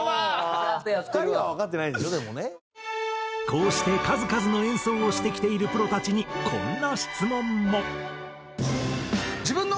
こうして数々の演奏をしてきているプロたちにこんな質問も。